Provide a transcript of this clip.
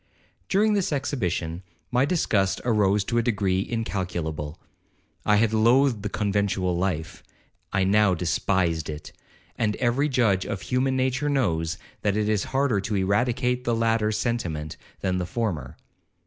'During this exhibition, my disgust arose to a degree incalculable. I had loathed the conventual life—I now despised it; and every judge of human nature knows, that it is harder to eradicate the latter sentiment than the former.